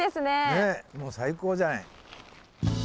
ねえもう最高じゃない。